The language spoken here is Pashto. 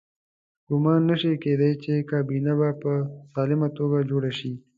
ګمان نه شي کېدای چې کابینه به په سالمه توګه جوړه شي.